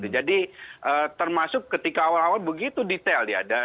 jadi termasuk ketika awal awal begitu detail ya